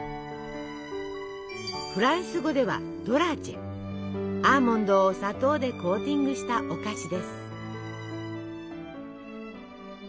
フランス語ではアーモンドを砂糖でコーティングしたお菓子です。